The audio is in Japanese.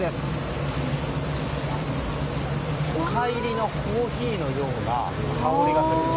深煎りのコーヒーのような香りがするんです。